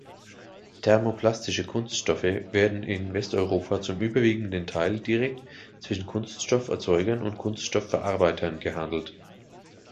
Thermoplastische Kunststoffe werden in Westeuropa zum überwiegenden Teil direkt zwischen Kunststoff-Erzeugern und Kunststoff-Verarbeitern gehandelt.